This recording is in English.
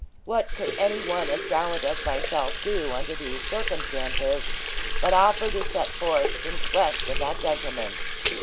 What could any one as gallant as myself do under these circumstances, but offer to set forth in quest of that gentleman?